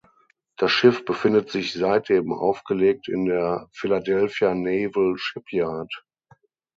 Das Schiff befindet sich seitdem aufgelegt in der Philadelphia Naval Shipyard.